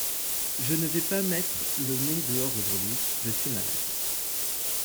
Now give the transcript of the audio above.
Je ne vais pas mettre le nez dehors aujourd'hui, je suis malade.